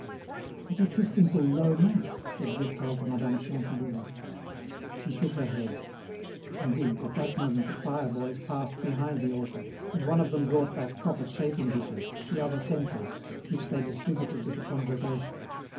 "But it's a simple low mass," said Durtal to Mme. Chantelouve. She shook her head. Indeed, at that moment the choir boys passed behind the altar and one of them brought back copper chafing dishes, the other, censers, which they distributed to the congregation.